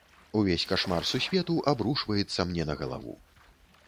Увесь кашмар сусвету абрушваецца мне на галаву.